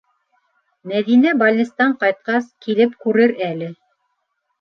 Мәҙинә балнистан ҡайтҡас килеп күрер әле...